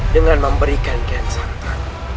dengan memberikan kian santa